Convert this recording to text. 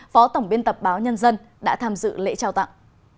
phó tổng biên tập báo nhân dân đã tham dự lễ trao tặng